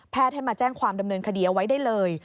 ให้มาแจ้งความดำเนินคดีเอาไว้ได้เลย